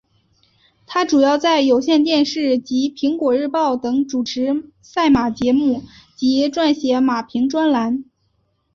她主要在有线电视及苹果日报等主持赛马节目及撰写马评专栏。